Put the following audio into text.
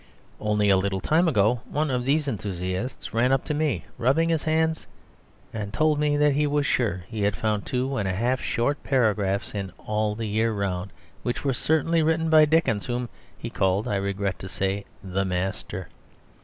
Only a little time ago one of these enthusiasts ran up to me, rubbing his hands, and told me that he was sure he had found two and a half short paragraphs in All the Year Round which were certainly written by Dickens, whom he called (I regret to say) the Master.